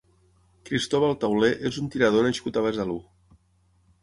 Cristóbal Tauler és un tirador nascut a Besalú.